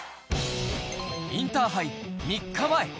インターハイ３日前。